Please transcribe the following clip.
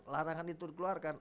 larangan itu dikeluarkan